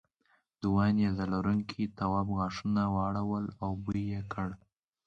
دوو نیزه لرونکو تواب غوږونه واړول او بوی یې کړ.